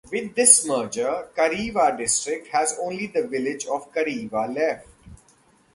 With this merger, Kariwa District has only the village of Kariwa left.